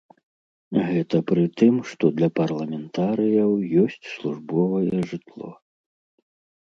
Гэта пры тым, што для парламентарыяў ёсць службовае жытло!